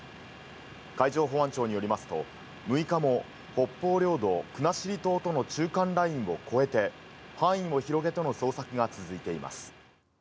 海上保安庁によりますと、６日も、北方領土・国後島との中間ラインを越えて、範囲を広げての捜索が続いています。